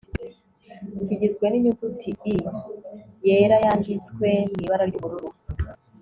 kigizwe n'inyuguti l yera yánditswe mw'ibara ry'ubururu